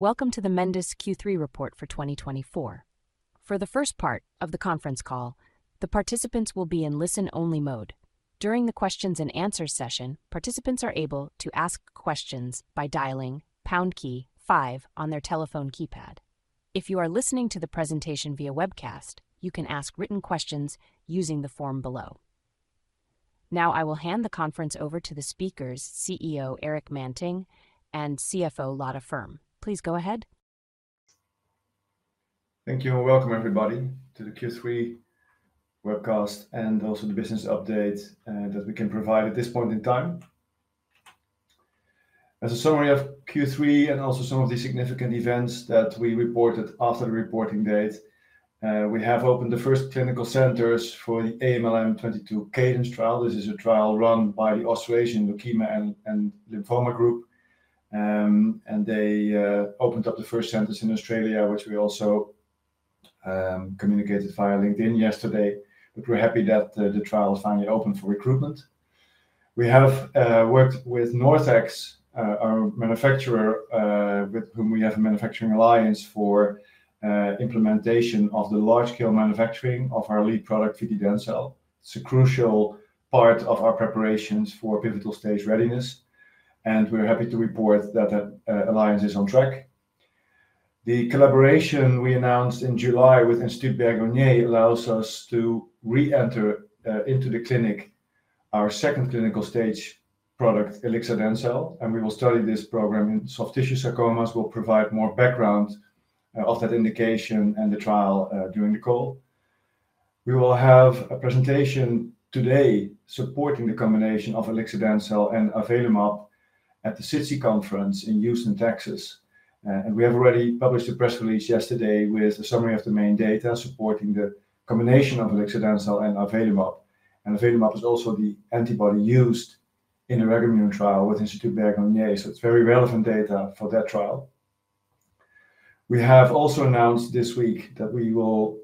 Welcome to the Mendus Q3 report for 2024. For the first part of the conference call, the participants will be in listen only mode. During the questions and answers session, participants are able to ask questions by dialing 5 on their telephone keypad. If you are listening to the presentation via webcast, you can ask written questions using the form below. Now I will hand the conference over to the speakers CEO Erik Manting and CFO Lotta Ferm. Please go ahead. Thank you and welcome everybody to the Q3 webcast and also the business updates that we can provide at this point in time. As a summary of Q3 and also some of the significant events that we reported after the reporting date, we have opened the first clinical centers for the AMLM22-CADENCE trial. This is a trial run by the Australasian Leukaemia and Lymphoma Group and they opened up the first centers in Australia, which we also communicated via LinkedIn yesterday, but we're happy that the trial is finally open for recruitment. We have worked with NorthX, our manufacturer, with whom we have a manufacturing alliance for implementation of the large scale manufacturing of our lead product vididencel. It's a crucial part of our preparations for pivotal stage readiness and we're happy to report that alliance is on track. The collaboration we announced in July with Institut Bergonié allows us to re-enter into the clinic our second clinical-stage product, Ilixadencel, and we will study this program in soft tissue sarcomas. We will provide more background of that indication and the trial during the call. We will have a presentation today supporting the combination of Ilixadencel and avelumab at the SITC Conference in Houston, Texas. And we have already published a press release yesterday with a summary of the main data supporting the combination of Ilixadencel and avelumab, and avelumab is also the antibody used in a REGOMUNE trial with Institut Bergonié, so it's very relevant data for that trial. We have also announced this week that we will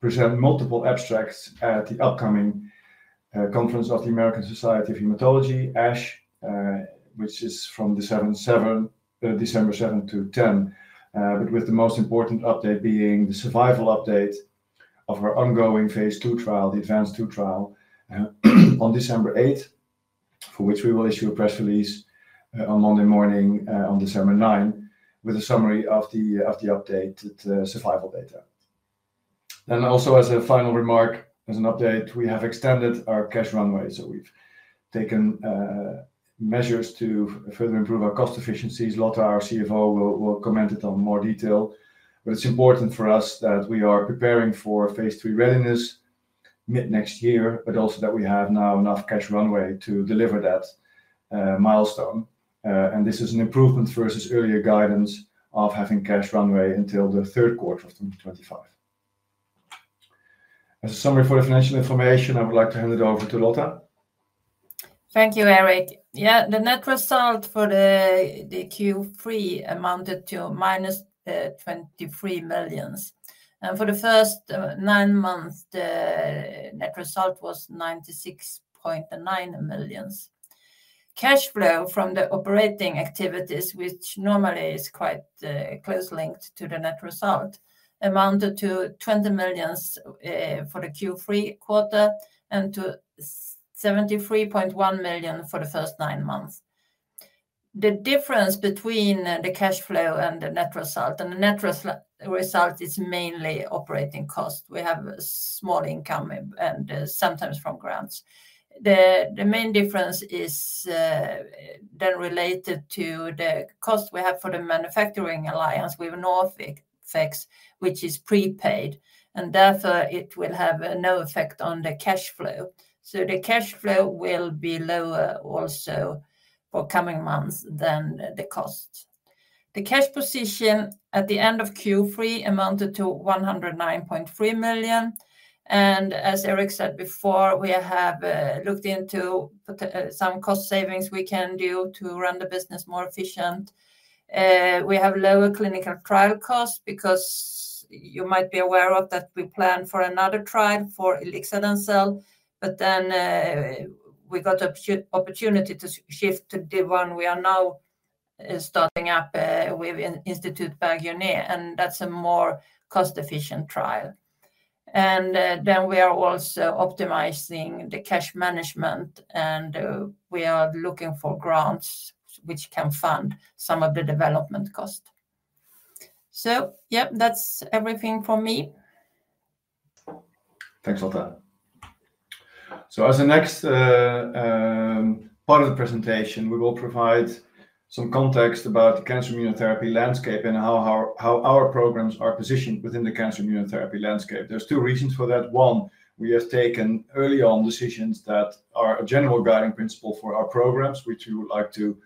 present multiple abstracts at the upcoming conference of the American Society of Hematology (ASH), which is from December 7 to 10, but with the most important update being the survival update of our ongoing phase 2 trial, the ADVANCE II trial on December 8th, for which we will issue a press release on Monday morning on December 9 with a summary of the updated survival data. And also as a final remark, as an update we have extended our cash runway so we've taken measures to further improve our cost efficiencies. Lotta, our CFO, will comment on it in more detail. But it's important for us that we are preparing for Phase III readiness mid next year. But also that we have now enough cash runway to deliver that milestone. This is an improvement versus earlier guidance of having cash runway until the third quarter of 2025. As a summary for the financial information, I would like to hand it over to Lotta. Thank you, Eric. Yeah. The net result for the Q3 amounted to minus 23 million and for the first nine months the net result was 96 million. Cash flow from the operating activities, which normally is quite close linked to the net result amounted to 20 million for the Q3 quarter and to 73.1 million for the first nine months. The difference between the cash flow and the net result and the net result is mainly operating cost. We have small income and sometimes from grants. The main difference is then related to the cost we have for the manufacturing alliance with NorthX which is prepaid and therefore it will have no effect on the cash flow. So the cash flow will be lower also for coming months than the cost. The cash position at the end of Q3 amounted to 109.3 million. And as Eric said before, we have looked into some cost savings we can do to run the business more efficient. We have lower clinical trial costs because you might be aware of that. We plan for another trial for ilixadencel, but then we got a opportunity to shift to DCOne. We are now starting up with Institut Bergonié and that's a more cost efficient trial. And then we are also optimizing the cash management and we are looking for grants which can fund some of the development cost. So, yep, that's everything from me. Thanks Lotta. So as a next part of the presentation we will provide some context about cancer immunotherapy landscape and how our programs are positioned within the cancer immunotherapy landscape. There's two reasons for that. One, we have taken early on decisions that are a general guiding principle for our programs which we would like to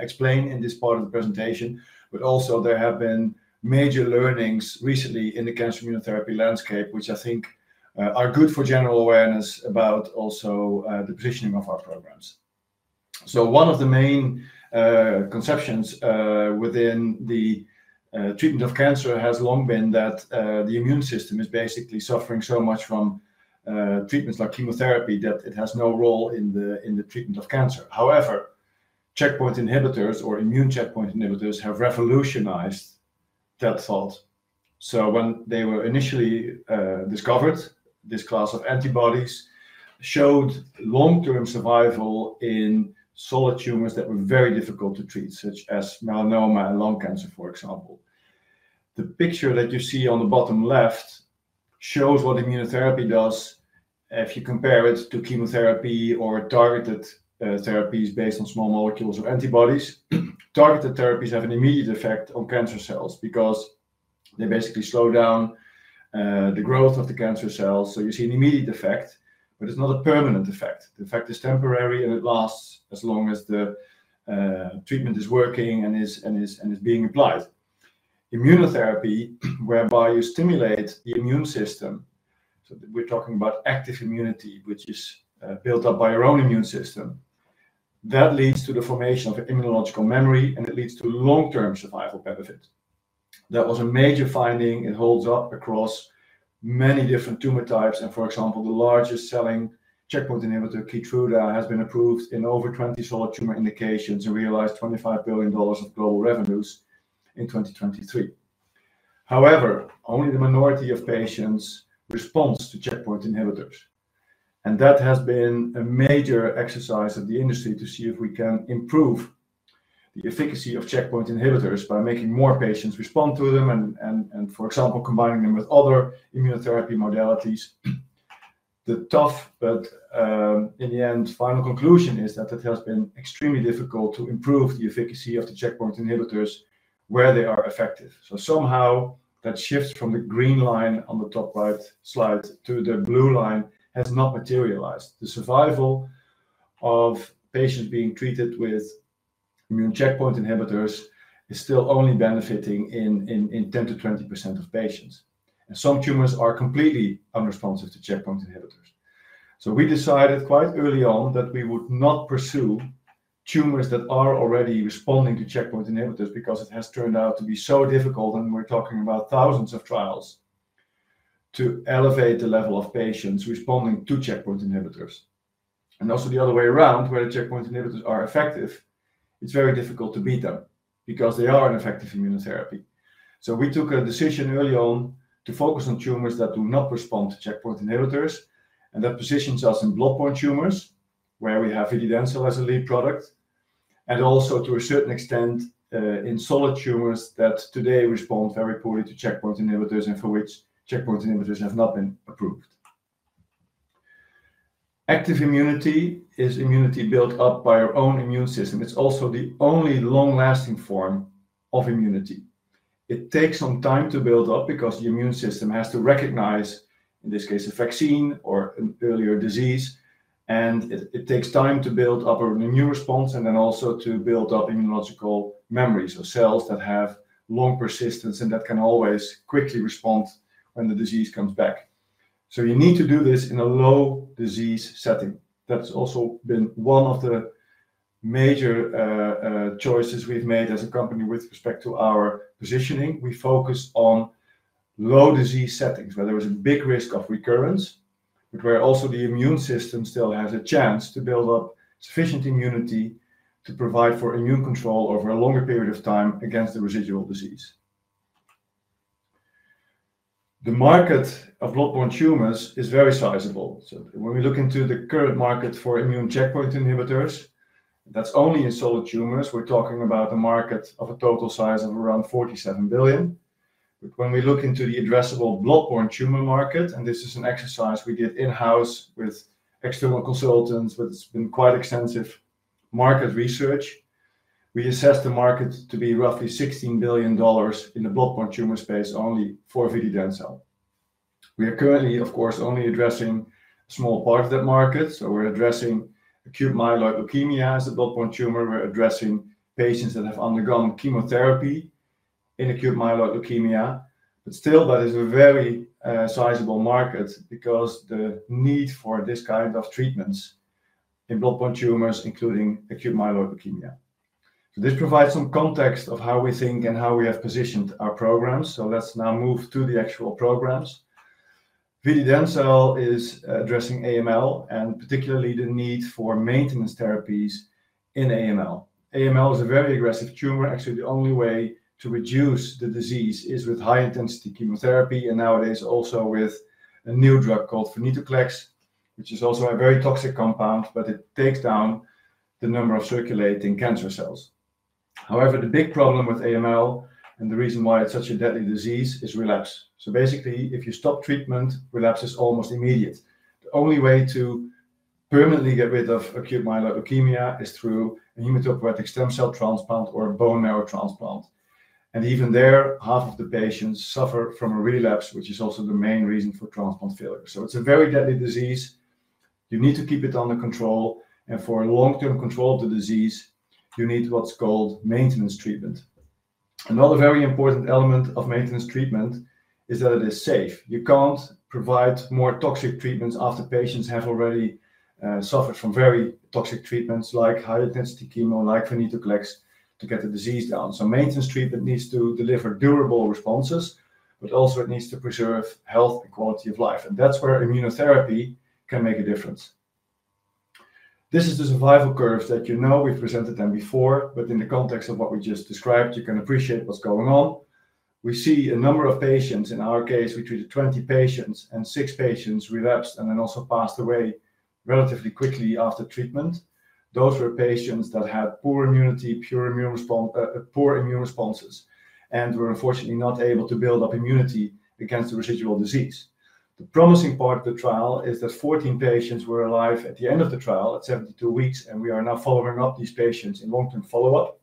explain in this part of the presentation. But also there have been major learnings recently in the cancer immunotherapy landscape which I think are good for general awareness about also the positioning of our program. So one of the main conceptions within the treatment of cancer has long been that the immune system is basically suffering so much from treatments like chemotherapy that it has no role in the treatment of cancer. However, checkpoint inhibitors or immune checkpoint inhibitors have revolutionized that thought. So when they were initially discovered, this class of antibodies showed long-term survival in solid tumors that were very difficult to treat, such as melanoma and lung cancer, for example. The picture that you see on the bottom left shows what immunotherapy does if you compare it to chemotherapy or targeted therapies based on small molecules or antibodies. Targeted therapies have an immediate effect on cancer cells because they basically slow down the growth of the cancer cells. So you see an immediate effect, but it's not a permanent effect. The effect is temporary and it lasts as long as the treatment is working and is being applied. Immunotherapy, whereby you stimulate the immune system. So we're talking about active immunity, which is built up by your own immune system that leads to the formation of an immunological memory and it leads to long-term survival benefit. That was a major finding. It holds up across many different tumor types. And for example, the largest selling checkpoint inhibitor, Keytruda, has been approved in over 20 solid tumor indications and realized $25 billion of global revenues in 2023. However, only the minority of patients responds to checkpoint inhibitors. And that has been a major exercise at the industry to see if we can improve the efficacy of checkpoint inhibitors by making more patients respond to them and for example, combining them with other immunotherapy modalities. The tough but in the end final conclusion is that it has been extremely difficult to improve the efficacy of the checkpoint inhibitors where they are effective. So somehow that shift from the green line on the top right slide to the blue line has not materialized. The survival of patients being treated with immune checkpoint inhibitors is still only benefiting in 10%-20% of patients, and some tumors are completely unresponsive to checkpoint inhibitors, so we decided quite early on that we would not pursue tumors that are already responding to checkpoint inhibitors because it has turned out to be so difficult, and we're talking about thousands of trials to elevate the level of patients responding to checkpoint inhibitors and also the other way around, where the checkpoint inhibitors are effective, it's very difficult to beat them because they are an effective immunotherapy, so we took a decision early on to focus on tumors that do not respond to checkpoint inhibitors. That positions us in bloodborne tumors where we have Vididencel as a lead product, and also to a certain extent in solid tumors that today respond very poorly to checkpoint inhibitors and for which checkpoint inhibitors have not been approved. Active immunity is immunity built up by our own immune system. It's also the only long lasting form of immunity. It takes some time to build up because the immune system has to recognize in this case a vaccine or an earlier disease. It takes time to build up an immune response and then also to build up immunological memory cells that have long persistence and that can always quickly respond when the disease comes back. You need to do this in a low disease setting. That's also been one of the major choices we've made as a company with respect to our positioning. We focus on low disease settings where there is a big risk of recurrence, but where also the immune system still has a chance to build up sufficient immunity to provide for immune control over a longer period of time against the residual disease. The market of bloodborne tumors is very sizable. So when we look into the current market for immune checkpoint inhibitors, that's only in solid tumors, we're talking about a market of a total size of around $47 billion. But when we look into the addressable bloodborne tumor market, and this is an exercise we did in house with external consultants, but it's been quite extensive market research, we assess the market to be roughly $16 billion in the bloodborne tumor space only for vididencel. We are currently, of course, only addressing a small part of that market. So we're addressing acute myeloid leukemia as the bloodborne tumor. We're addressing patients that have undergone chemotherapy in acute myeloid leukemia. But still, that is a very sizable market because the need for this kind of treatments in bloodborne tumors, including acute myeloid leukemia. This provides some context of how we think and how we have positioned our programs. So let's now move to the actual programs. Vididencel is addressing AML and particularly the need for maintenance therapies in AML. AML is a very aggressive tumor. Actually, the only way to reduce the disease is with high intensity chemotherapy and nowadays also with a new drug called venetoclax, which is also a very toxic compound, but it takes down the number of circulating cancer cells. However, the big problem with AML and the reason why it's such a deadly disease is relapse. Basically, if you stop treatment, relapse is almost immediate. The only way to permanently get rid of acute myeloid leukemia is through a hematopoietic stem cell transplant or a bone marrow transplant. And even there, half of the patients suffer from a relapse, which is also the main reason for transplant failure. So it's a very deadly disease. You need to keep it under control, and for long term control of the disease, you need what's called maintenance treatment. Another very important element of maintenance treatment is that it is safe. You can't provide more toxic treatments after patients have already suffered from very toxic treatments like high intensity chemo, like venetoclax to get the disease down. So maintenance treatment needs to deliver durable responses, but also it needs to preserve health and quality of life. And that's where immunotherapy can make a difference. This is the survival curves that, you know, we've presented them before, but in the context of what we just described, you can appreciate what's going on. We see a number of patients. In our case, we treated 20 patients and six patients relapsed and then also passed away relatively quickly after treatment. Those were patients that had poor immunity, poor immune response, poor immune responses, and we're unfortunately not able to build up immunity against the residual disease. The promising part of the trial is that 14 patients were alive at the end of the trial at 72 weeks, and we are now following up these patients in long term follow up,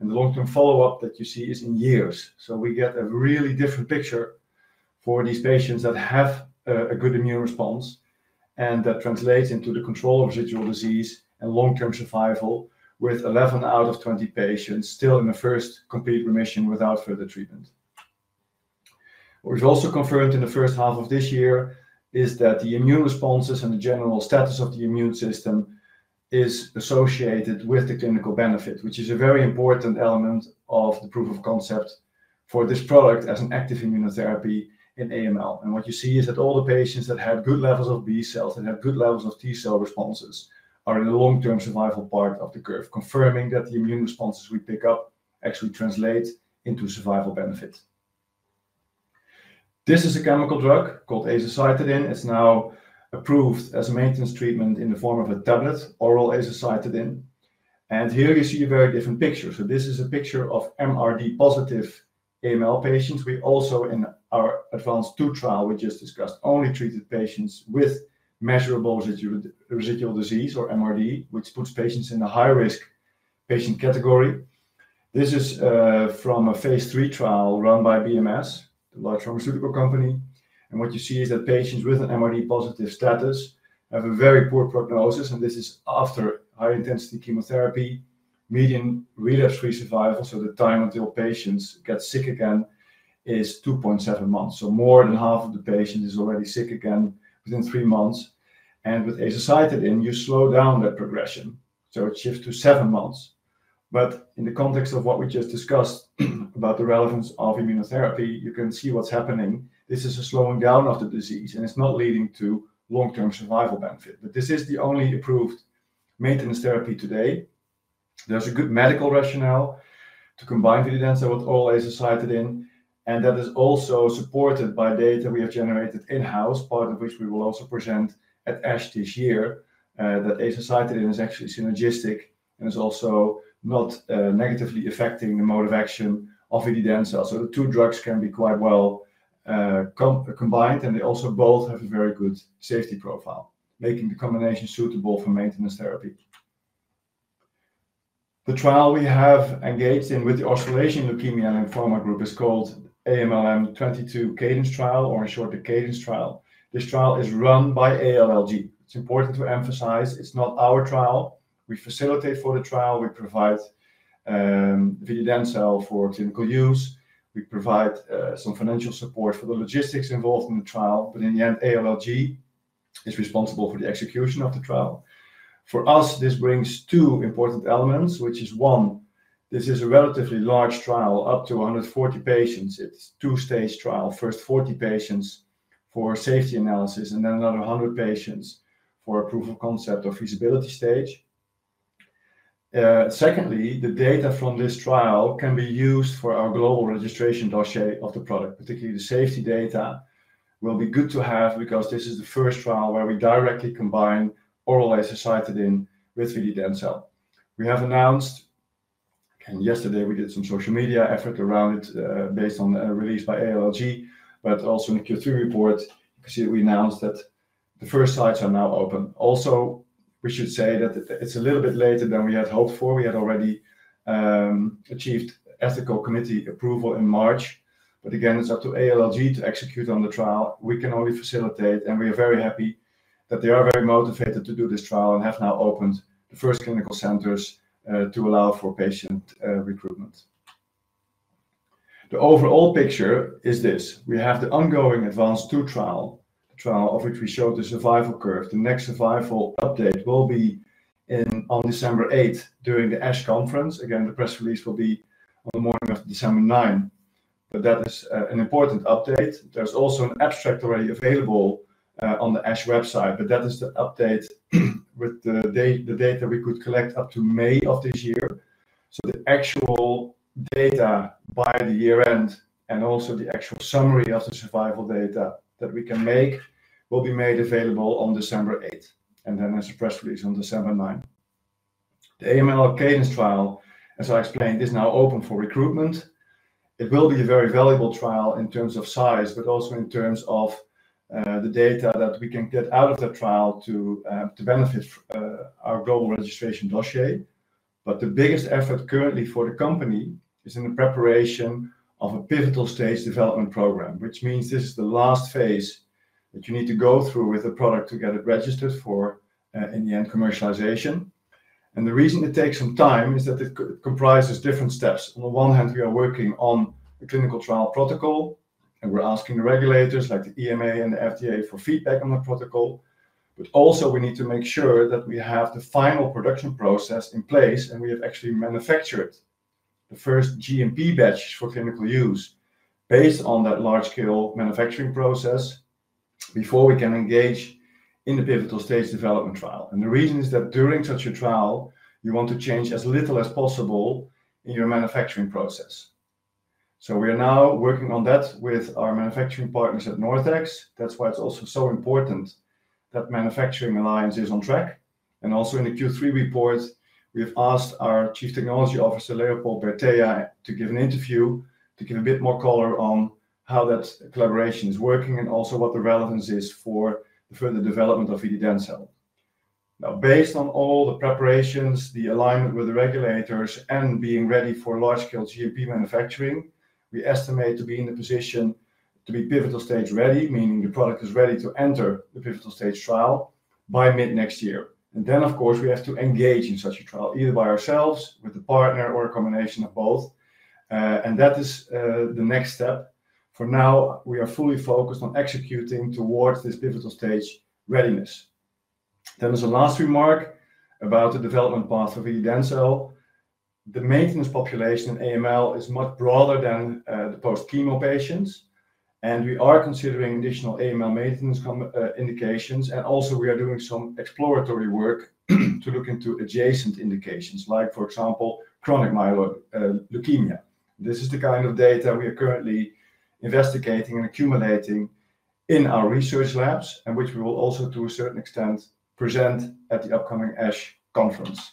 and the long term follow up that you see is in years. So we get a really different picture for these patients that have a good immune response and that translates into the control of residual disease and long term survival. With 11 out of 20 patients still in the first complete remission without further treatment. We've also confirmed in the first half of this year is that the immune responses and the general status of the immune system is associated with the clinical benefit, which is a very important element of the proof of concept for this product as an active immunotherapy in AML. And what you see is that all the patients that have good levels of B cells, that have good levels of T cell responses, are in the long term survival part of the curve, confirming that the immune responses we pick up actually translate into survival benefit. This is a chemical drug called azacitidine. It's now approved as a maintenance treatment in the form of a tablet, oral azacitidine, and here you see a very different picture. This is a picture of MRD-positive AML patients. We also, in our ADVANCE II trial, we just discussed only treated patients with measurable residual disease or MRD, which puts patients in the high-risk patient category.vThis is from a Phase III trial run by BMS, the large pharmaceutical company. What you see is that patients with an MRD-positive status have a very poor prognosis. This is after high-intensity chemotherapy, median relapse-free survival. The time until patients get sick again is 2.7 months. More than half of the patients are already sick again within three months. With azacitidine you slow down that progression so it shifts to seven months. But in the context of what we just discussed about the relevance of immunotherapy, you can see what's happening. This is a slowing down of the disease and it's not leading to long-term survival benefit. But this is the only approved maintenance therapy today. There's a good medical rationale to combine vididencel with azacitidine and that is also supported by data we have generated in house, part of which we will also present at ASH this year. That azacitidine is actually synergistic and is also not negatively affecting the mode of action of vididencel. So the two drugs can be quite well combined and they also both have a very good safety profile, making the combination suitable for maintenance therapy. The trial we have engaged in with the Australasian Leukaemia and Lymphoma Group is called AMLM22-CADENCE trial or in short the CADENCE trial. This trial is run by ALLG. It's important to emphasize it's not our trial. We facilitate for the trial, we provide vididencel for clinical use, we provide some financial support for the logistics involved in the trial. But in the end ALLG is responsible for the execution of the trial for us. This brings two important elements which is one, this is a relatively large trial, up to 140 patients. It's two stage trial. First 40 patients for safety analysis and then another 100 patients for a proof of concept or feasibility stage. Secondly, the data from this trial can be used for our global registration dossier of the product, particularly the safety data will be good to have because this is the first trial where we directly combine oral azacitidine with vididencel. We have announced and yesterday we did some social media effort around it based on a release by ALLG. But also in the Q3 report you can see that we announced that the first sites are now open. Also we should say that it's a little bit later than we had hoped for. We had already achieved ethical committee approval in March. But again it's up to ALLG to execute on the trial. We can only facilitate and we are very happy that they are very motivated to do this trial and have now opened the first clinical centers to allow for patient recruitment. The overall picture is this. We have the ongoing ADVANCE II trial of which we showed the survival curve. The next survival update will be on December 8th during the ASH conference. Again, the press release will be on the morning of December 9th. But that is an important update. There's also an abstract already available on the ASH website, but that is the update with the data we could collect up to May of this year. So the actual data by the year end and also the actual summary of the survival data that we can make will be made available on December 8th. And then there's a press release on December 9th. The AMLM22-CADENCE trial, as I explained, is now open for recruitment. It will be a very valuable trial in terms of size, but also in terms of the data that we can get out of the trial to benefit our global registration dossier. But the biggest effort currently for the company is in the preparation of a pivotal stage development program, which means this is the last phase that you need to go through with the product to get it registered for in the end commercialization. And the reason it takes some time is that it comprises different steps. On the one hand, we are working on the clinical trial protocol and we're asking the regulators like the EMA and the FDA for feedback on the protocol. But also we need to make sure that we have the final production process in place and we have actually manufactured the first GMP batch for clinical use based on that large scale manufacturing process before we can engage in the pivotal stage development trial. And the reason is that during such a trial you want to change as little as possible in your manufacturing process. We are now working on that with our manufacturing partners at NorthX. That's why it's also so important that manufacturing alliance is on track. Also in the Q3 report, we have asked our Chief Technology Officer Leopold Bertea to give an interview to give a bit more color on how that collaboration is working and also what the relevance is for the further development of vididencel. Now, based on all the preparations, the alignment with the regulators and being ready for large scale GMP manufacturing, we estimate to be in the position to be pivotal stage ready, meaning the product is ready to enter the pivotal stage trial by mid next year. Then of course we have to engage in such a trial either by ourselves, with the partner or a combination of both. That is the next step. For now we are fully focused on executing towards this pivotal stage readiness. Then as a last remark about the development path of vididencel, the maintenance population in AML is much broader than the post chemo patients and we are considering additional AML maintenance indications. And also we are doing some exploratory work to look into adjacent indications like for example chronic myeloid leukemia. This is the kind of data we are currently investigating and accumulating in our research labs and which we will also to a certain extent present at the upcoming ASH conference.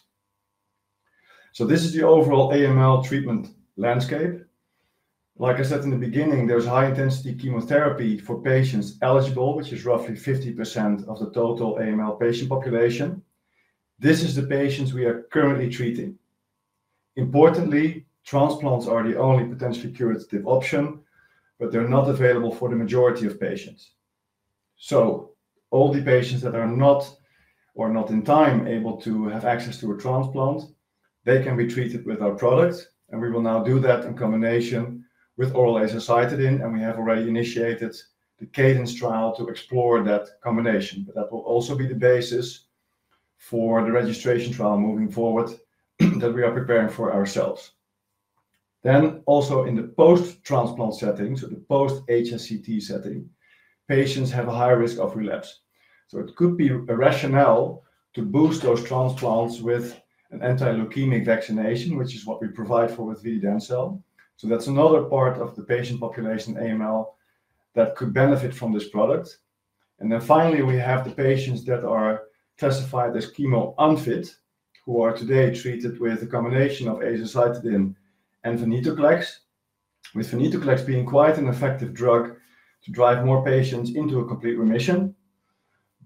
So this is the overall AML treatment landscape. Like I said in the beginning, there's high intensity chemotherapy for patients eligible, which is roughly 50% of the total AML patient population. This is the patients we are currently treating. Importantly, transplants are the only potentially curative option, but they're not available for the majority of patients. So all the patients that are not, or not in time able to have access to a transplant, they can be treated with our products. And we will now do that in combination with oral azacitidine. And we have already initiated the Cadence trial to explore that combination. But that will also be the basis for the registration trial moving forward that we are preparing for ourselves. Then also in the post transplant settings or the post HSCT setting, patients have a higher risk of relapse. So it could be a rationale to boost those transplants with an antileukemic vaccination, which is what we provide for with vididencel. So that's another part of the patient population, AML that could benefit from this product. And then finally, we have the patients that are classified as chemo unfit who are today treated with a combination of azacitidine and venetoclax. With venetoclax being quite an effective drug to drive more patients into a complete remission,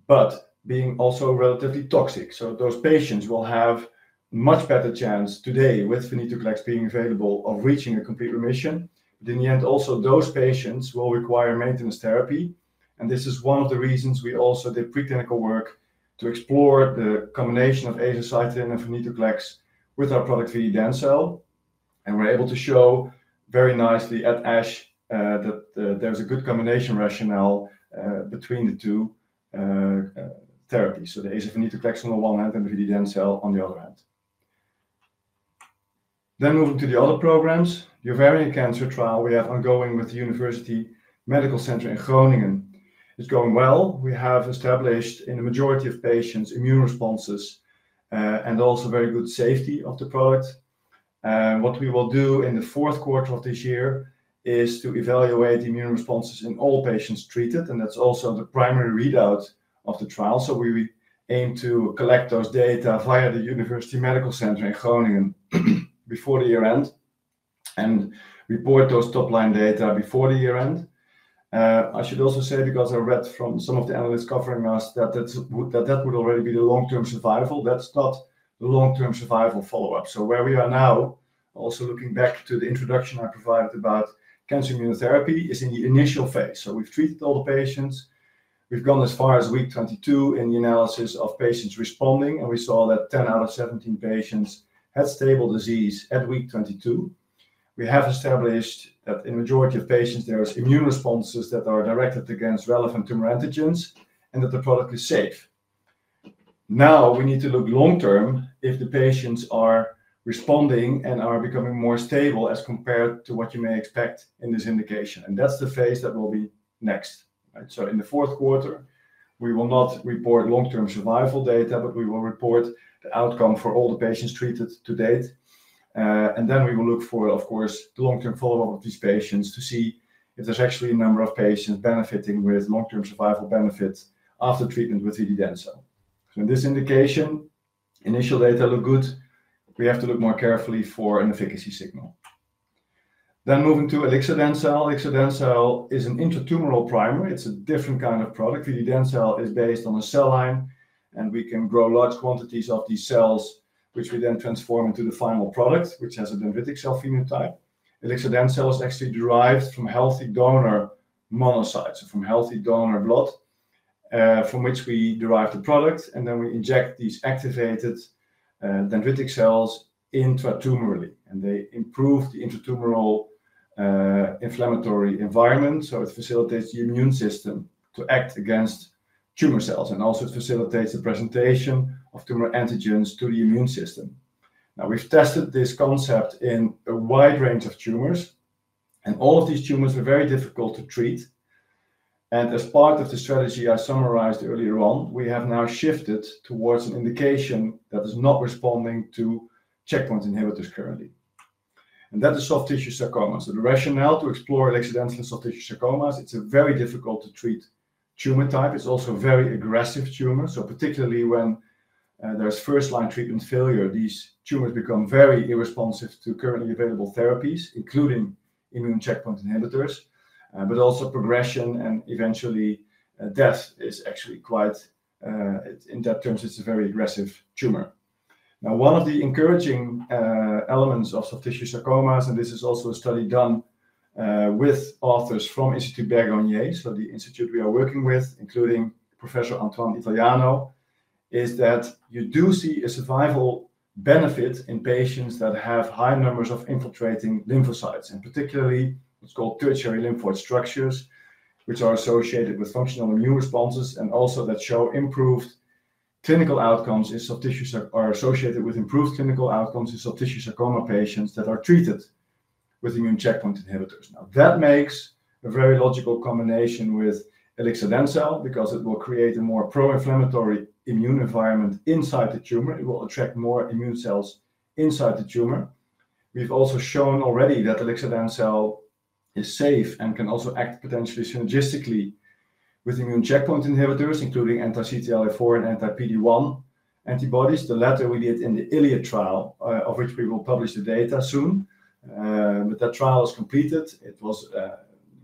but being also relatively toxic. Those patients will have much better chance today with venetoclax being available of reaching a complete remission. But in the end also those patients will require maintenance therapy. This is one of the reasons we also did preclinical work to explore the combination of azacitidine and venetoclax with our product vididencel. We're able to show very nicely at ASH that there's a good combination rationale between the two therapies. The ACE and the vididencel on the other end, then moving to the other programs. Ovarian cancer trial we have ongoing with the University Medical Center in Groningen. It's going well. We have established in the majority of patients immune responses and also very good safety of the product. What we will do in the fourth quarter of this year is to evaluate immune responses in all patients treated, and that's also the primary readout of the trial, so we aim to collect those data via the University Medical Center in Groningen before the year-end and report those top-line data before the year-end. I should also say, because I read from some of the analysts covering us that that would already be the long-term survival, that's not the long-term survival follow-up, so where we are now, also looking back to the introduction I provided about cancer immunotherapy, is in the initial phase. So we've treated all the patients. We've gone as far as week 22 in the analysis of patients responding, and we saw that 10 out of 17 patients had stable disease at week 22. We have established that in majority of patients there is immune responses that are directed against relevant tumor antigens and that the product is safe. Now we need to look long term if the patients are responding and are becoming more stable as compared to what you may expect in this indication, and that's the phase that will be next. Right. So in the fourth quarter we will not report long term survival data, but we will report the outcome for all the patients treated to date and then we will look for of course the long term follow up of these patients to see if there's actually a number of patients benefiting with long term survival benefits after treatment with vididencel. So in this indication, initial data look good. We have to look more carefully for an efficacy signal. Then moving to ilixadencel. Ilixadencel is an intratumoral primer. It's a different kind of product. Vididencel is based on a cell line and we can grow large quantities of these cells which we then transform into the final product which has a dendritic cell phenotype. Ilixadencel is actually derived from healthy donor monocytes from healthy donor blood from which we derive the product. We then inject these activated dendritic cells intratumorally and they improve the intratumoral inflammatory environment. It facilitates the immune system to act against tumor cells and also facilitates the presentation of tumor antigens to the immune system. Now we've tested this concept in a wide range of tumors and all of these tumors are very difficult to treat. As part of the strategy I summarized earlier on, we have now shifted towards an indication that is not responding to checkpoint inhibitors currently and that is soft tissue sarcoma. The rationale to explore ilixadencel and soft tissue sarcomas, it's a very difficult to treat tumor type. It's also very aggressive tumor. Particularly when there's first line treatment failure, these tumors become very unresponsive to currently available therapies including immune checkpoint inhibitors. But also progression and eventually death is actually quite in that terms, it's a very aggressive tumor. Now one of the encouraging elements of soft tissue sarcomas and this is also a study done with authors from Institut Bergonié. The institute we are working with, including Professor Antoine Italiano, is that you do see a survival benefit in patients that have high numbers of infiltrating lymphocytes, particularly what's called tertiary lymphoid structures, which are associated with functional immune responses and also that show improved clinical outcomes in soft tissue sarcoma are associated with improved clinical outcomes in soft tissue sarcoma patients that are treated with immune checkpoint inhibitors. Now, that makes a very logical combination with ilixadencel because it will create a more pro-inflammatory immune environment inside the tumor, it will attract more immune cells inside the tumor. We've also shown already that ilixadencel is safe and can also act potentially synergistically with immune checkpoint inhibitors, including anti-CTLA4 and anti-PD-1 antibodies. The latter we did in the Iliad trial, of which we will publish the data soon, but that trial is completed. It was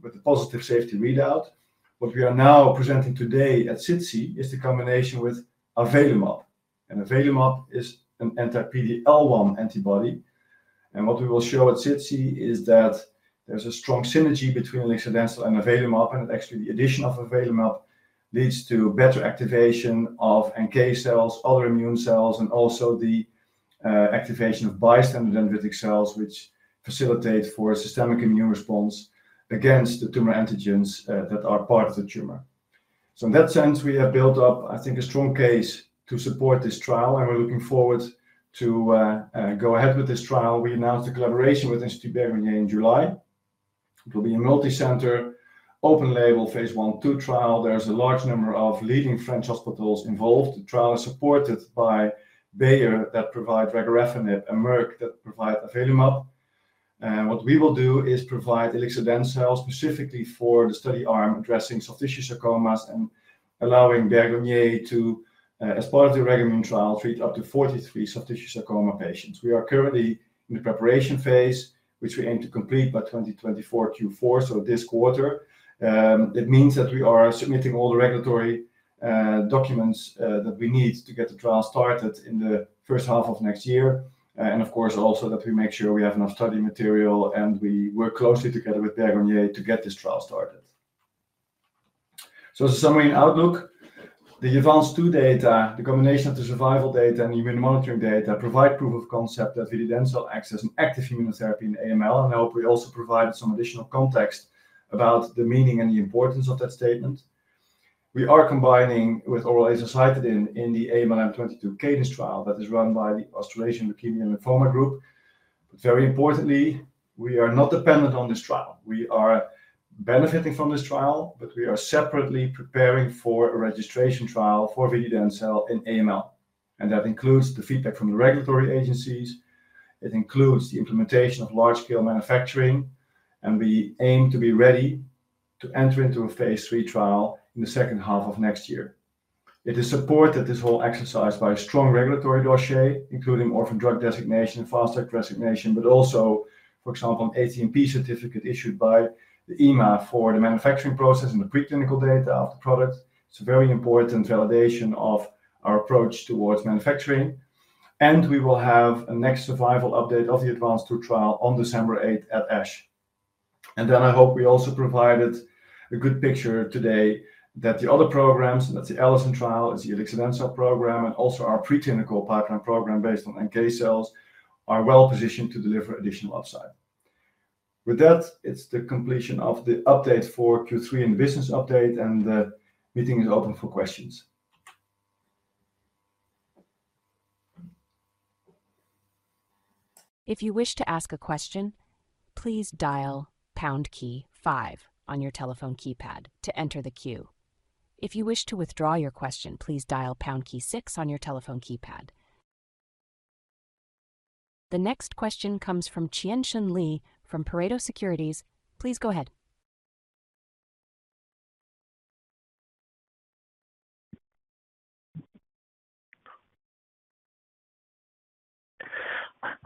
with the positive safety readout. What we are now presenting today at SITC is the combination with avelumab and avelumab is an anti-PD-L1 antibody, and what we will show at SITC is that there's a strong synergy between ilixadencel and avelumab, and actually the addition of avelumab leads to better activation of NK cells, other immune cells and also the activation of bystander dendritic cells which facilitate for systemic immune response against the tumor antigens that are part of the tumor. So in that sense we have built up, I think, a strong case to support this trial and we're looking forward to go ahead with this trial. We announced a collaboration with Institut Bergonié in July. It will be a multi center, open label, phase one, two trial. There's a large number of leading French hospitals involved. The trial is supported by Bayer that provide regorafenib and Merck that provide avelumab. And what we will do is provide ilixadencel specifically for the study arm addressing soft tissue sarcomas and allowing Bergonié to, as part of the REGOMUNE trial, treat up to 43 soft tissue sarcoma patients. We are currently in the preparation phase which we aim to complete by 2024 Q4. So this quarter that means that we are submitting all the regulatory documents that we need to get the trial started in the first half of next year. And of course also that we make sure we have enough study material and we work closely together with Institut Bergonié to get this trial started. As a summary and outlook, the ADVANCE II data. The combination of the survival data and immune monitoring data provide proof of concept that vididencel acts as an active immunotherapy in AML and I hope we also provided some additional context about the meaning and the importance of that statement. We are combining with oral azacitidine in the AMLM22-CADENCE trial that is run by the Australasian Leukemia and Lymphoma Group. Very importantly we are not dependent on this trial. We are benefiting from this trial, but we are separately preparing for a registration trial for vididencel in AML and that includes the feedback from the regulatory agencies. It includes the implementation of large-scale manufacturing and we aim to be ready to enter into a phase three trial in the second half of next year. It is supported, this whole exercise, by strong regulatory dossier including Orphan Drug Designation, Fast Track designation, but also for example an ATMP certificate issued by the EMA for the manufacturing process and the preclinical data of the product. It's a very important validation of our approach towards manufacturing and we will have a next survival update of the ADVANCE II trial on December 8th at ASH and then I hope we also provided a good picture today that the other programs and that's the ALIENOR trial is the ilixadencel program and also our preclinical pipeline program based on NK cells are well positioned to deliver additional upside. With that, it's the completion of the update for Q3 and business update, and the meeting is open for questions. If you wish to ask a question, please dial five on your telephone keypad to enter the queue. If you wish to withdraw your question, please dial key six on your telephone keypad. The next question comes from Chien-Hsun Lee from Pareto Securities. Please go ahead.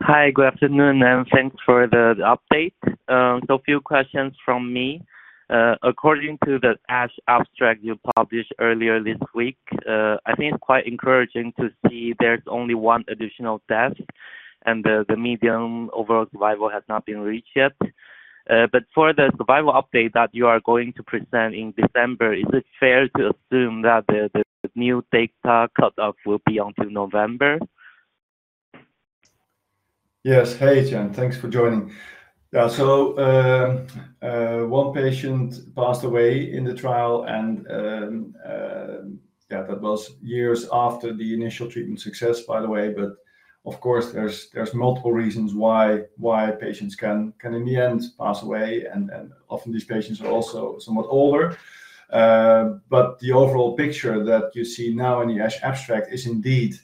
Hi, good afternoon, and thanks for the update. So a few questions from me. According to the ASH abstract you published earlier this week, I think it's quite encouraging to see there's only one additional death and the median overall survival has not been reached yet. But for the survival update that you are going to present in December, is it fair to assume that the new data cutoff will be until November? Yes. Hey Chien, thanks for joining. So one patient passed away in the trial and that was years after the initial treatment success, by the way. But of course there's multiple reasons why patients can in the end pass away and often these patients are also somewhat older. But the overall picture that you see now in the ASH abstract is indeed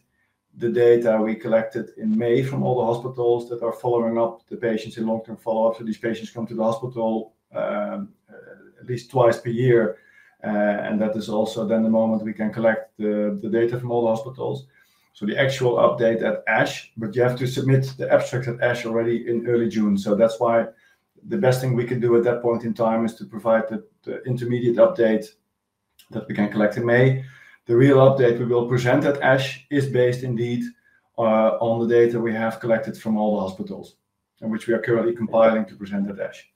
the data we collected in May from all the hospitals that are following up the patients in long-term follow-up. So these patients come to the hospital at least twice per year and that is also then the moment we can collect the data from all hospitals. So the actual update at ASH, but you have to submit the abstract at ASH already in early June. So that's why the best thing we can do at that point in time is to provide the intermediate update that we can collect in May. The real update we will present at ASH is based indeed on the data we have collected from all the hospitals which we are currently compiling to present at ASH.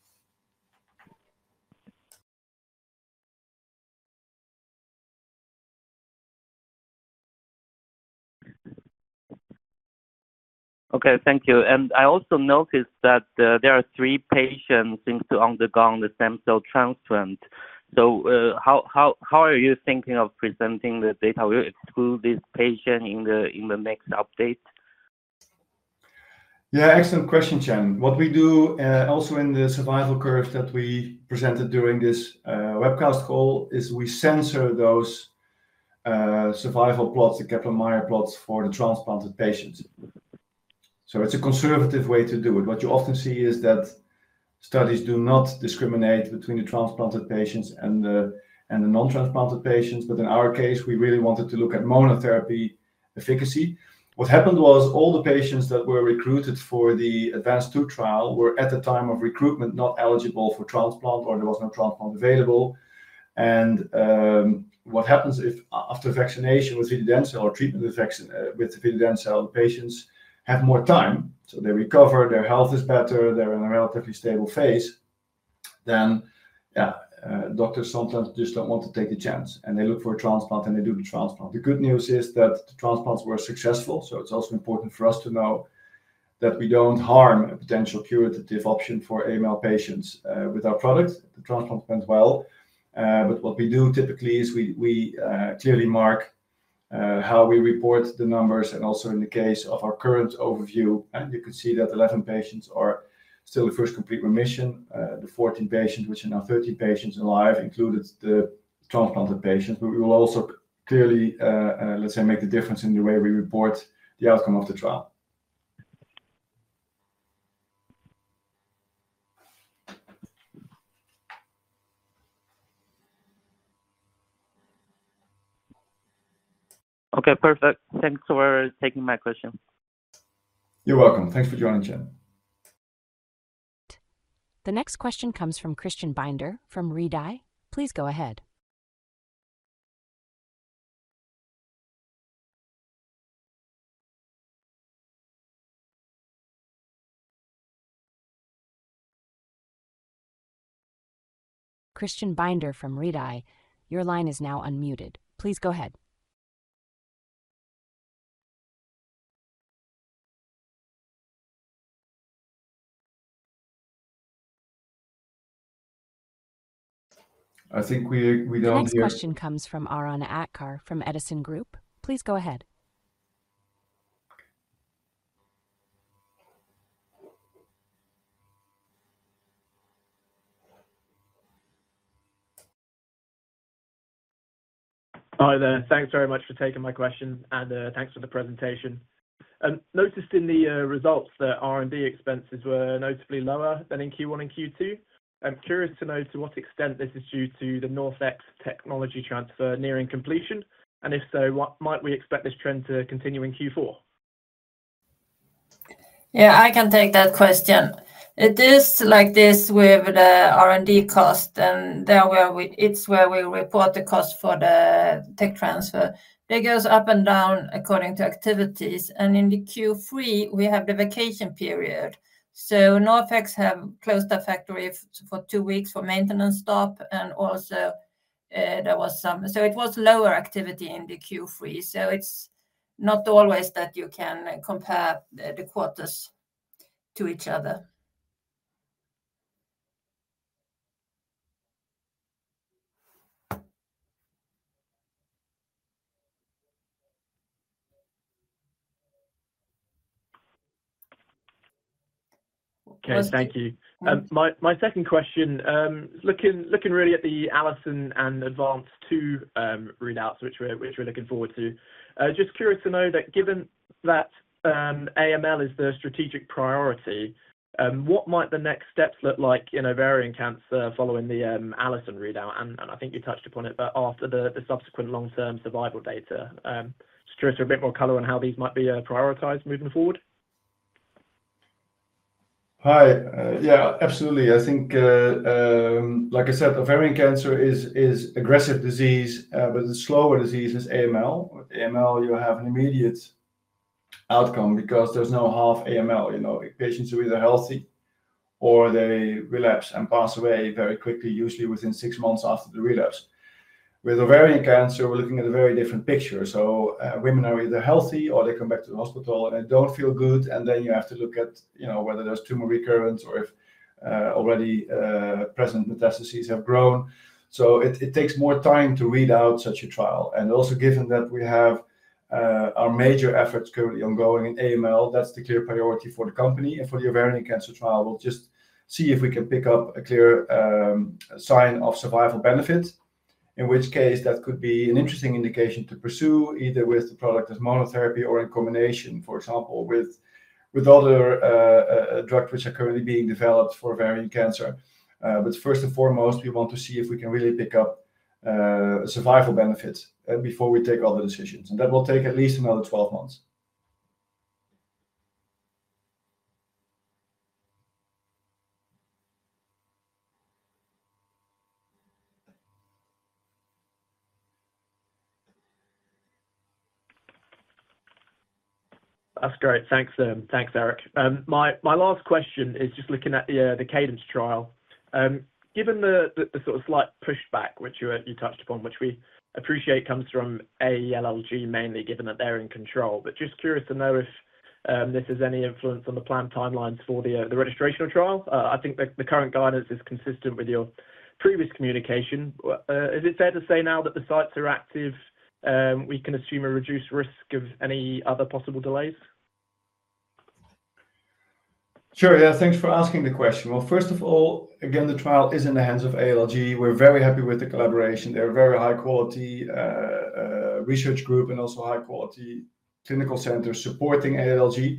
Okay, thank you. And I also noticed that there are three patients seem to undergo the stem cell transplant. So how are you thinking of presenting the data? Will you exclude this patient in the next update? Yeah, excellent question, Chien. What we do also in the survival curve that we presented during this webcast call is we censor those survival plots, the Kaplan-Meier plots for the transplanted patients. So it's a conservative way to do it. What you often see is that studies do not discriminate between the transplanted patients and the non transplanted patients. But in our case, we really wanted to look at monotherapy efficacy. What happened was all the patients that were recruited for the ADVANCE II trial were at the time of recruitment, not eligible for transplant or there was no transplant available. What happens if after vaccination with vididencel or treatment with vididencel, patients have more time so they recover, their health is better, they're in a relatively stable phase, then doctors sometimes just don't want to take the chance and they look for a transplant and they do the transplant. The good news is that the transplants were successful. So it's also important for us to know that we don't harm a potential curative option for AML patients with our product. The transplant went well, but what we do typically is we clearly mark how we report the numbers. And also in the case of our current overview, and you can see that 11 patients are still the first complete remission. The 14 patients, which are now 13 patients alive, included the transplanted patients. But we will also clearly, let's say, make the difference in the way we report the outcome of the trial. Okay, perfect. Thanks for taking my question. You're welcome. Thanks for joining chat. The next question comes from Christian Binder from Redeye. Please go ahead. Christian Binder from Redeye. Your line is now unmuted. Please go ahead. I think we don't. This question comes from Arron Aatkar from Edison Group. Please go ahead. Hi there. Thanks very much for taking my question, and thanks for the presentation. I noticed in the results that R&D expenses were notably lower than in Q1 and Q2. I'm curious to know to what extent this is due to the Northex technology transfer nearing completion and if so, might we expect this trend to continue in Q4? Yeah, I can take that question. It is like this with the R&D cost and it's where we report the cost for the tech transfer that goes up and down according to activities, and in the Q3 we have the vacation period. So NorthX have closed the factory for two weeks for maintenance stop, and also there was some. So it was lower activity in the Q3. So it's not always that you can compare the quarters to each other. Okay, thank you. My second question, looking really at the ALIENOR and ADVANCE II readouts, which we're looking forward to, just curious to know that given that AML is the strategic priority, what might the next steps look like in ovarian cancer? Following the ALIENOR readout and I think you touched upon it, but after the subsequent long-term survival data, share a bit more color on how these might be prioritized moving forward. Hi. Yeah, absolutely. I think, like I said, ovarian cancer is aggressive disease, but the slower disease is AML or AML. You have an immediate outcome because there's no half AML. You know, patients are either healthy or they relapse and pass away very quickly, usually within six months after the relapse. With ovarian cancer, we're looking at a very different picture, so women are either healthy or they come back to the hospital and they don't feel good, and then you have to look at, you know, whether there's tumor recurrence or if already present metastases have grown, so it takes more time to read out such a trial, and also given that we have our major efforts currently ongoing in AML, that's the clear priority for the company. And for the ovarian cancer trial, we'll just see if we can pick up a clear sign of survival benefit, in which case that could be an interesting indication to pursue either with the product as monotherapy or in combination, for example, with other drugs which are currently being developed for ovarian cancer. But first and foremost, we want to see if we can really pick up survival benefits before we take other decisions. And that will take at least another 12 months. That's great. Thanks. Thanks, Eric. My follow up question is just looking at the Cadence trial, given the sort of slight pushback which you touched upon, which we appreciate comes from ALLG mainly given that they're in control. But just curious to know if this is any influence on the plan timelines for the registration trial. I think the current guidance is consistent with your previous communication. Is it fair to say now that the sites are active we can assume a reduced risk of any other possible delays? Sure, yeah. Thanks for asking the question. Well, first of all, again, the trial is in the hands of ALLG. We're very happy with the collaboration. They're very high quality research group and also high quality clinical centers supporting ALLG.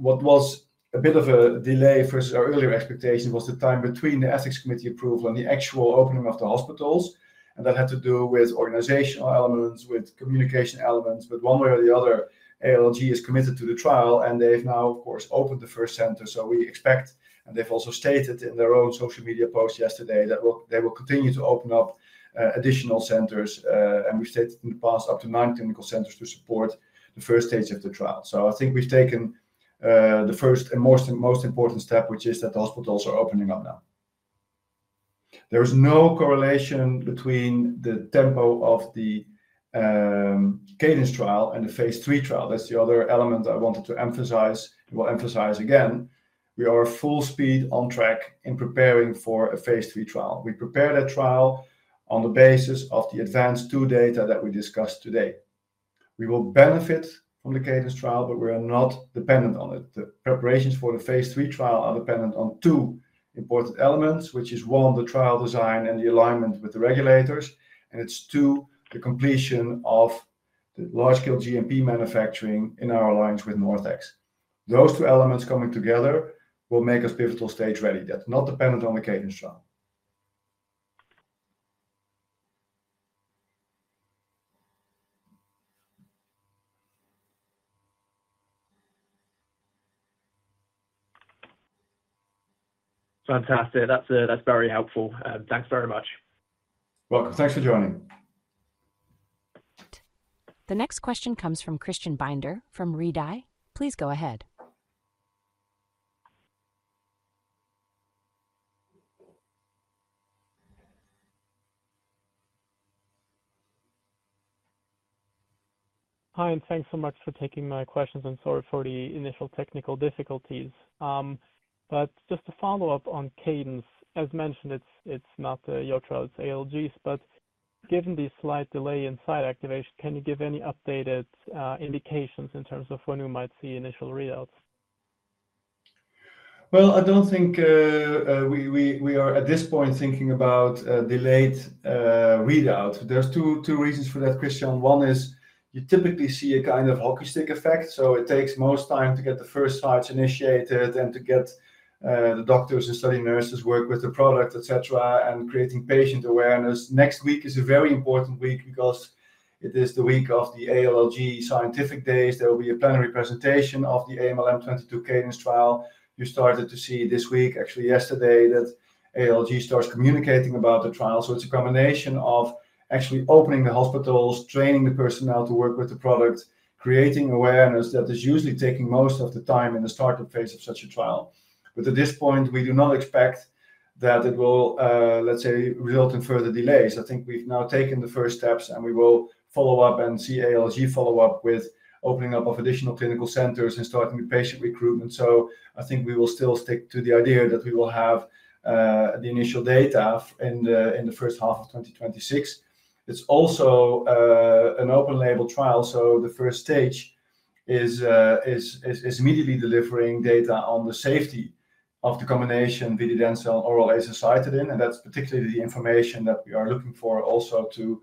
What was a bit of a delay versus our earlier expectations was the time between the ethics committee approval and the actual opening of the hospitals. And that had to do with organizational elements, with communication elements. But one way or the other, ALLG is committed to the trial and they've now of course opened the first center. So we expect. And they've also stated in their own social media post yesterday that they will continue to open up additional centers. And we've stated in the past up to nine clinical centers to support the first stage of the trial. So I think we've taken the first and most important step which is that the hospitals are opening up now. There is no correlation between the tempo of the Cadence trial and the Phase III trial. That's the other element I wanted to emphasize. We'll emphasize again, we are full speed on track in preparing for a phase three trial. We prepare that trial on the basis of the ADVANCE II data that we discussed today. We will benefit from the Cadence trial, but we are not dependent on it. The preparations for the phase three trial are dependent on two important elements which is one, the trial design and the alignment with the regulators. And two, the completion of the large scale GMP manufacturing. In our alliance with NorthX, those two elements coming together will make us pivotal stage ready. That's not dependent on the Cadence trial. Fantastic. That's very helpful. Thanks very much. Welcome. Thanks for joining. The next question comes from Christian Binder from Redeye. Please go ahead. Hi and thanks so much for taking my questions. I'm sorry for the initial technical difficulties, but just to follow up on Cadence, as mentioned, it's not Astra, it's ALLG. But given the slight delay in site activation, can you give any updated indications in terms of when you might see initial readouts? I don't think we are at this point thinking about delayed readout. There's two reasons for that, Christian. One is you typically see a kind of hockey stick effect. So it takes most time to get the first sites initiated and to get the doctors and study nurses work with the product, etc. And creating patient awareness. Next week is a very important week because it is the week of the ALLG scientific days. There will be a plenary presentation of the AMLM22-CADENCE trial. You started to see this week, actually yesterday, that ALLG starts communicating about the trial. So it's a combination of actually opening the hospitals, training the personnel to work with the product, creating awareness. That is usually taking most of the time in the startup phase of such a trial. But at this point we do not expect that it will, let's say, result in further delays. I think we've now taken the first steps and we will follow up and see ALLG follow up with opening up of additional clinical centers and starting the patient recruitment. So I think we will still stick to the idea that we will have the initial data in the first half of 2026. It's also an open label trial. So the first stage is immediately delivering data on the safety of the combination vididencel and oral azacitidine. And that's particularly the information that we are looking for. Also to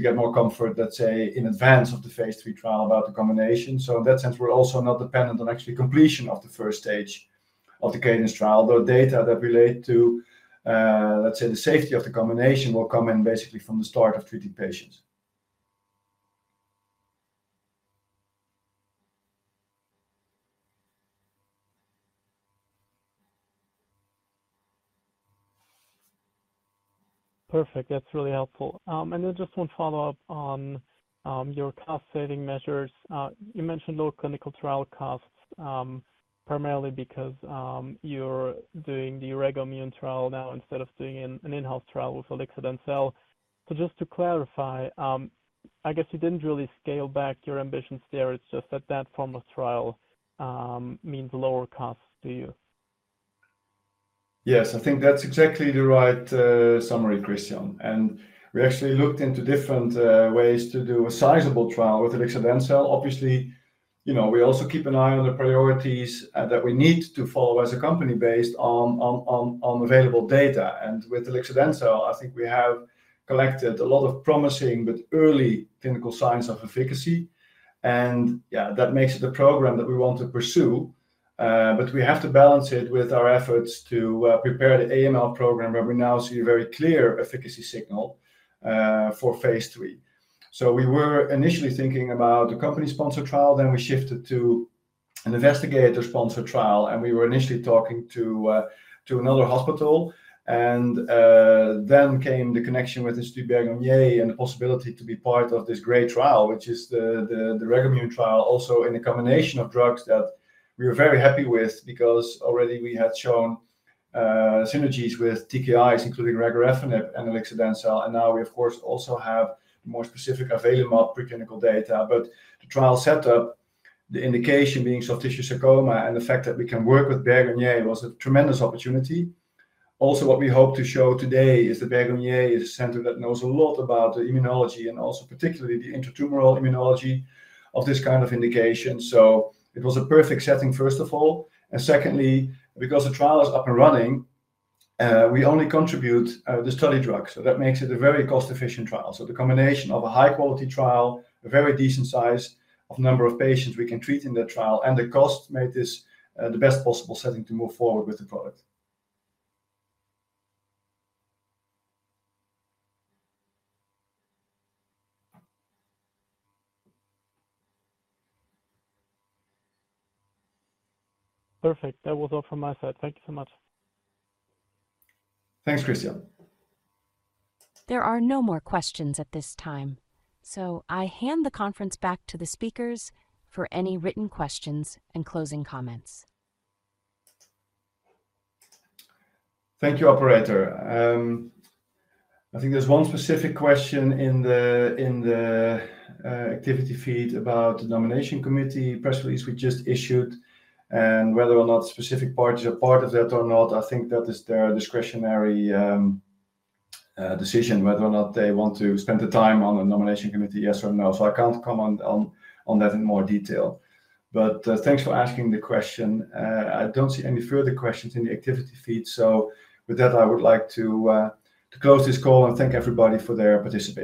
get more comfort, let's say in advance of the Phase III trial about the combination. In that sense, we're also not dependent on actual completion of the first stage of the CADENCE trial, though data that relate to, let's say, the safety of the combination will come in basically from the start of treating patients. Perfect, that's really helpful. And then just one follow up on your cost saving measures. You mentioned low clinical trial costs primarily because you're doing the REGOMUNE trial now instead of doing an in-house trial with ilixadencel. So just to clarify, I guess you didn't really scale back your ambitions there, it's just that that form of trial means lower cost to you. Yes, I think that's exactly the right summary, Christian, and we actually looked into different ways to do a sizable trial with ilixadencel. Obviously, you know, we also keep an eye on the priorities that we need to follow as a company based on available data, and with ilixadencel, I think we have collected a lot of promising but early clinical signs of efficacy, and yeah, that makes it the program that we want to pursue, but we have to balance it with our efforts to prepare the AML program where we now see a very clear efficacy signal for phase three. So we were initially thinking about the company sponsored trial, then we shifted to an investigator sponsored trial and we were initially talking to another hospital and then came the connection with Institut Bergonié and the possibility to be part of this great trial, which is the REGOMUNE trial, also in a combination of drugs that we were very happy with because already we had shown synergies with TKIs, including Regorafenib and ilixadencel. And now we of course also have more specific available preclinical data. But the trial setup, the indication being soft tissue sarcoma and the fact that we can work with Bergonié, was a tremendous opportunity. Also what we hope to show today is the Bergonié is a center that knows a lot about the immunology and also particularly the intratumoral immunology of this kind of indication. So it was a perfect setting, first of all. Secondly, because the trial is up and running, we only contribute the study drug. That makes it a very cost efficient trial. The combination of a high quality trial, a very decent size of number of patients we can treat in the trial and the cost made this the best possible setting to move forward with the product. Perfect. That was all from my side. Thank you so much. Thanks, Christian. There are no more questions at this time, so I hand the conference back to the speakers for any written questions and closing comments. Thank you, operator. I think there's one specific question in the activity feed about the nomination committee press release we just issued and whether or not specific parties are part of that or not. I think that is their discretionary decision, whether or not they want to spend the time on the nomination committee, yes or no. So I can't comment on that in more detail, but thanks for asking the question. I don't see any further questions in the activity feed. So with that, I would like to close this call and thank everybody for their participation.